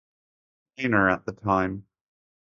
Rainier at the time.